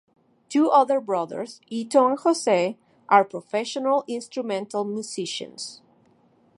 Two other brothers, Ito and Jose, are professional instrumental musicians.